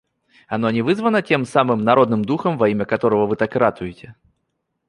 Оно не вызвано тем самым народным духом, во имя которого вы так ратуете?